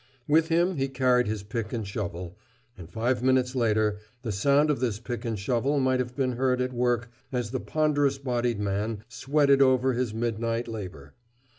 With him he carried his pick and shovel, and five minutes later the sound of this pick and shovel might have been heard at work as the ponderous bodied man sweated over his midnight labor.